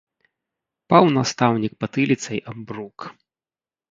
Паў настаўнік патыліцай аб брук.